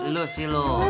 lu sih lu